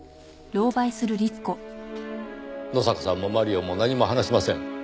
野坂さんもマリオも何も話しません。